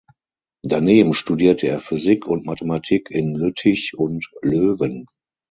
Daneben studierte er Physik und Mathematik in Lüttich und Löwen.